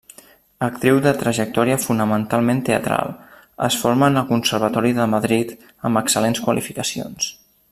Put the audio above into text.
Actriu de trajectòria fonamentalment teatral, es forma en el Conservatori de Madrid, amb excel·lents qualificacions.